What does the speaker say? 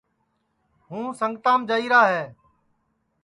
ہُوں سنگتام جائیرا ہے